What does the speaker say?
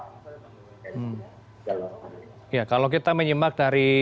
ya kalau kita menyimak dari ya kalau kita menyimak dari ya kalau kita menyimak dari